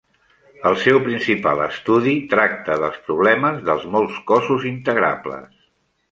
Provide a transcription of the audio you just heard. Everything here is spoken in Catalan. El seu principal estudi tracta dels problemes dels molts cossos integrables.